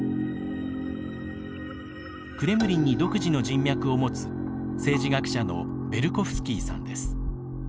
クレムリンに独自の人脈を持つ政治学者のベルコフスキーさんです。